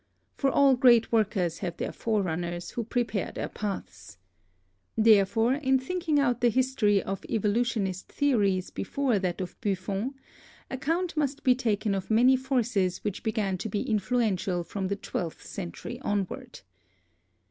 For all great workers have their forerunners, who prepare their paths. Therefore in thinking out the his tory of evolutionist theories before that of Buffon account must be taken of many forces which began to be influential from the twelfth century onward.